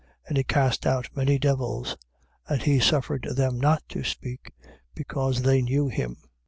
And he cast out many devils: and he suffered them not to speak, because they knew him.